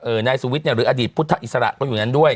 เออนายสุวิทธิ์หรืออดีตพุทธอิสระก็อยู่นั้นด้วย